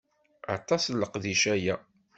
Aṭas n leqdic aya.